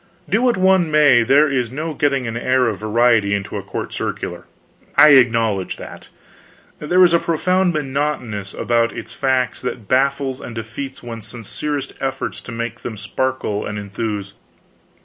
Do what one may, there is no getting an air of variety into a court circular, I acknowledge that. There is a profound monotonousness about its facts that baffles and defeats one's sincerest efforts to make them sparkle and enthuse.